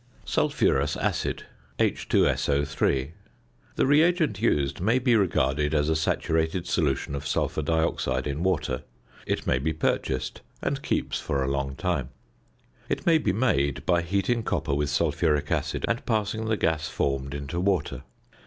~Sulphurous Acid~, H_SO_. The reagent used may be regarded as a saturated solution of sulphur dioxide in water. It may be purchased, and keeps for a long time. It may be made by heating copper with sulphuric acid and passing the gas formed into water.